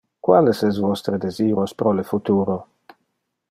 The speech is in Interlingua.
Quales es vostre desiros pro le futuro?